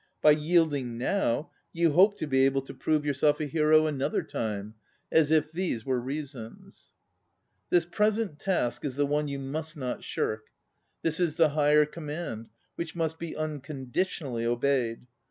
By yielding now you hope to be able to prove 60 ON READING yourself a hero another time. As if these were reasons! This present task is the one you must not shirk. This is the higher command, which must be uncondi tionally obeyed.